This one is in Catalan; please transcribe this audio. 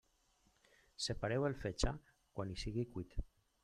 Separeu el fetge quan sigui cuit.